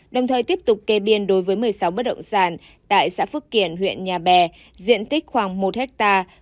đồng thời tiếp tục kê biên đối với một mươi sáu bất động sản tại xã phước kiển huyện nhà bè diện tích khoảng một hectare